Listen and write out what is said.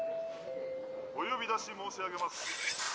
「お呼び出し申し上げます。